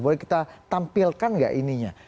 boleh kita tampilkan nggak ininya